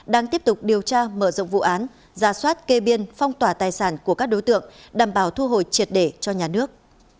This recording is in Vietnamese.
đang tiếp tục điều tra mở rộng vụ án giả soát kê biên phong tỏa tài sản của các đối tượng đảm bảo thu hồi triệt để cho nhà nước